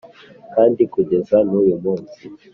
kandi kugeza n’uyu munsi